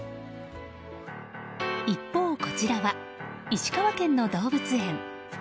一方こちらは石川県の動物園。